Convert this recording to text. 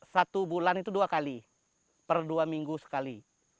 satu bulan itu dua kali per dua minggu sekali